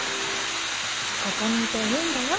ここにいていいんだよ。